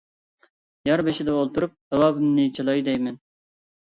يار بېشىدا ئولتۇرۇپ، ، راۋابىم چالاي دەيمەن.